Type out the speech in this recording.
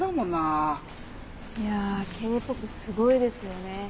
いやＫ−ＰＯＰすごいですよね。